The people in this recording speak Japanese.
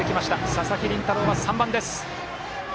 佐々木麟太郎は３番です。